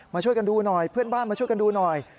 ช่วยกันดูหน่อยเพื่อนบ้านมาช่วยกันดูหน่อย